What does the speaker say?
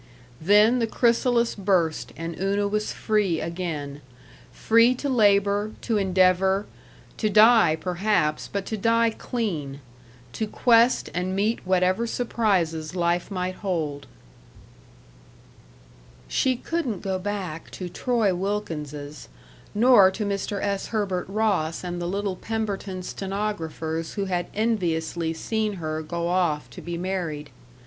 Then the chrysalis burst and Una was free again. Free to labor, to endeavor to die, perhaps, but to die clean. To quest and meet whatever surprises life might hold. § 2 She couldn't go back to Troy Wilkins's, nor to Mr. S. Herbert Ross and the little Pemberton stenographers who had enviously seen her go off to be married.